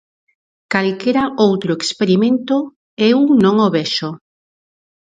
Calquera outro experimento, eu non o vexo.